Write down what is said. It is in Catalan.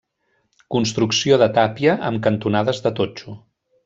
Construcció de tàpia amb cantonades de totxo.